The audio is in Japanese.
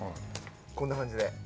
こんな感じで。